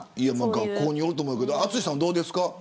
学校によると思うけれど淳さん、どうですか。